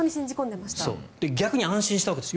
逆に安心したわけです。